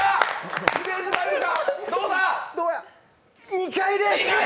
２回です。